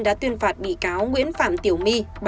đã tuyên phạt bị cáo nguyễn phạm tiểu my